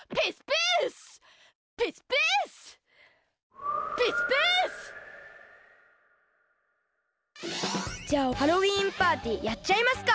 ピースピース！じゃあハロウィーンパーティーやっちゃいますか！